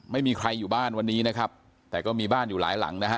ไม่มีใครอยู่บ้านวันนี้นะครับแต่ก็มีบ้านอยู่หลายหลังนะฮะ